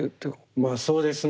まあそうですね。